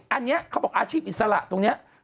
อันนี้เขาบอกอาชีพอิสระตรงนี้